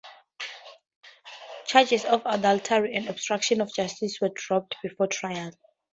Charges of adultery and obstruction of justice were dropped before trial.